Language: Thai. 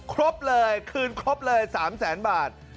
ครบเลยคืนครบเลย๓แสนบาท